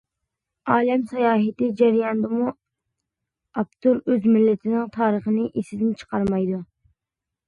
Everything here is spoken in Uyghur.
ئالەم ساياھىتى جەريانىدىمۇ ئاپتور ئۆز مىللىتىنىڭ تارىخىنى ئېسىدىن چىقارمايدۇ.